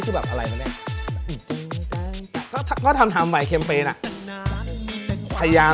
คุณภาพไม่ดีโอกาสไม่มีไม่เคยเสมอกัน